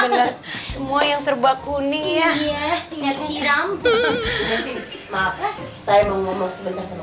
benar semua yang serba kuning ya tinggal siram maaf saya mau ngomong sebentar sama